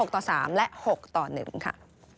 ต่อ๓และ๖ต่อ๑ค่ะ